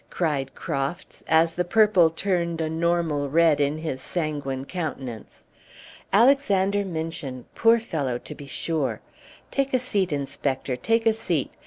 cried Crofts, as the purple turned a normal red in his sanguine countenance. "Alexander Minchin poor fellow to be sure! Take a seat, Inspector, take a seat.